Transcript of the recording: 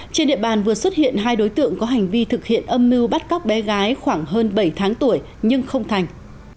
trên địa bàn vừa xuất hiện hai đối tượng có hành vi thực hiện âm mưu bắt cóc bé gái khoảng hơn bảy tháng tuổi nhưng không thành